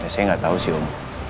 saya gak tau sih om